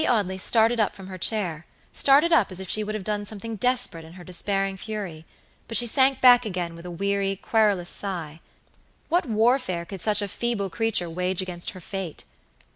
Lady Audley started up from her chairstarted up as if she would have done something desperate in her despairing fury; but she sank back again with a weary, querulous sigh. What warfare could such a feeble creature wage against her fate?